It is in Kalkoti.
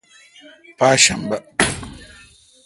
پاشنبہ